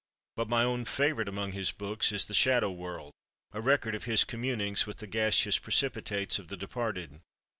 But my own favorite among his books is "The Shadow World," a record of his communings with the gaseous precipitates of the departed.